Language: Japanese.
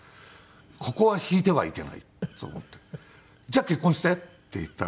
ここは引いてはいけないと思って「じゃあ結婚して」って言ったら。